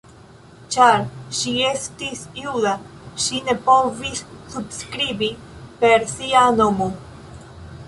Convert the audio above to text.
Ĉar ŝi estis juda ŝi ne povis subskribi per sia nomo.